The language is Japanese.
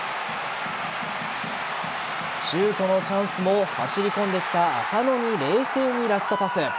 シュートのチャンスも走り込んできた浅野に冷静にラストパス。